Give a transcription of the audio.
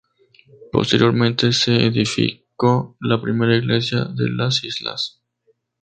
Posteriormente se edificó la primera iglesia de las islas.